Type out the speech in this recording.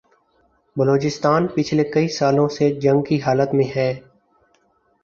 بلوچستان پچھلے کئی سالوں سے جنگ کی حالت میں ہے